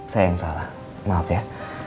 saya yang salah maaf ya